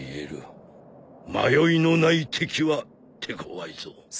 迷いのない敵は手ごわいぞ。